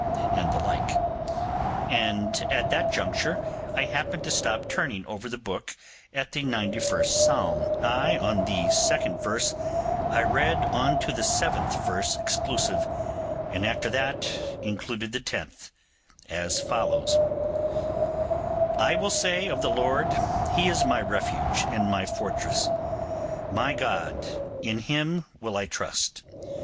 and the like; and at that juncture I happened to stop turning over the book at the ninety first Psalm, and casting my eye on the second verse, I read on to the seventh verse exclusive, and after that included the tenth, as follows: 'I will say of the Lord, He is my refuge and my fortress: my God, in Him will I trust.